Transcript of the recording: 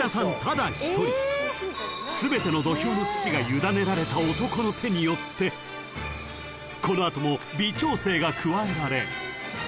［全ての土俵の土が委ねられた男の手によってこの後も微調整が加えられ］